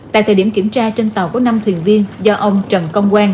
tại thời điểm kiểm tra trên tàu có năm thuyền viên do ông trần công quang